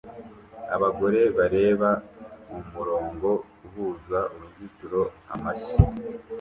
Abagore bareba mumurongo uhuza uruzitiro amashyi